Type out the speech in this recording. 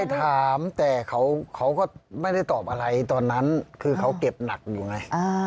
ถามแต่เขาก็ไม่ได้ตอบอะไรตอนนั้นคือเขาเก็บหนักอยู่ไง